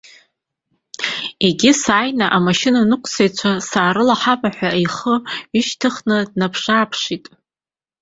Егьи, сааины амашьынарныҟәцаҩцәа саарылаҳама ҳәа ихы ҩышьҭыхны даанаԥшы-ааԥшит.